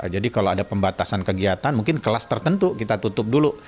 jadi kalau ada pembatasan kegiatan mungkin kelas tertentu kita tutup dulu